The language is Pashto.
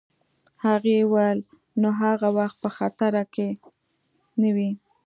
هغې وویل: نو هغه وخت په خطره کي نه وې؟